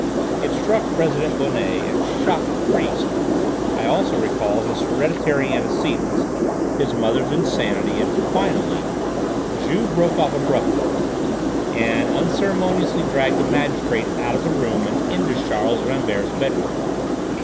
It struck President Bonnet and shocked the priest. I also recall his hereditary antecedents, his mothers insanity, and finally " Juve broke off abruptly and unceremoniously dragged the magistrate out of the room and into Charles Rambert's bedroom.